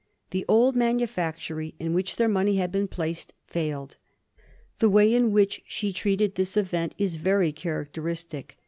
The old manufactory, in which their money had been placed, failed. The way in which she treated this event is very characteristic.